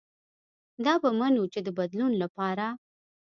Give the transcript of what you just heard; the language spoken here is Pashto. دا به منو چې د بدلون له پاره